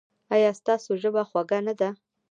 ایا ستاسو ژبه خوږه نه ده؟